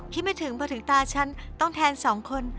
ไม่ถึงพอถึงตาฉันต้องแทนสองคน